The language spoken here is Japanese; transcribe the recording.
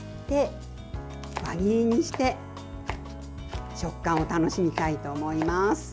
輪切りにして食感を楽しみたいと思います。